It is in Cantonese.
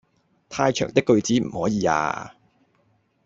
太長的句子唔可以呀